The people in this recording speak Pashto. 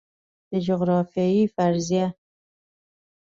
د جغرافیې فرضیه